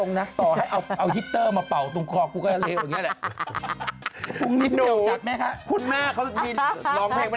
คุณแม่เขาไม่ได้ร้องเพลงเขาร้องอย่างเดียว